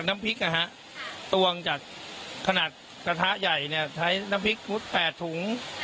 น้ำพริกนะฮะตวงจากขนาดกระทะใหญ่เนี่ยใช้น้ำพริกพุทธ๘ถุง